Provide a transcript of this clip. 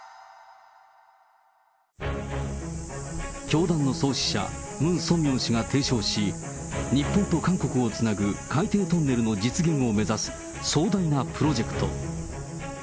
教団の創始者、ムン・ソンミョン氏が提唱し、日本と韓国をつなぐ海底トンネルの実現を目指す壮大なプロジェクト。